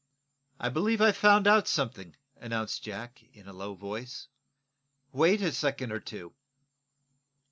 "I believe I've found out something," announced Jack, in a low voice. "Wait a second or two."